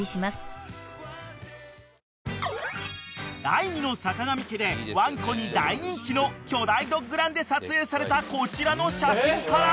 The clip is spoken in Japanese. ［第２の坂上家でワンコに大人気の巨大ドッグランで撮影されたこちらの写真から］